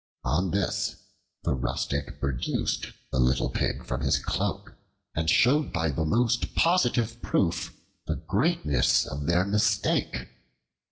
On this the rustic produced the little pig from his cloak and showed by the most positive proof the greatness of their mistake.